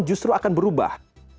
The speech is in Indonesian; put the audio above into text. justru akan berubah